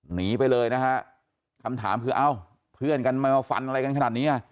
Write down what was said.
หนีไปเลยนะฮะคำถามคือเอ้าเพื่อนกันไม่มาฟันอะไรกันขนาดนี้อ่ะ